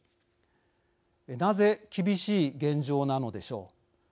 なぜ、厳しい現状なのでしょう。